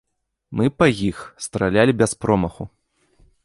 Мы па іх стралялі без промаху.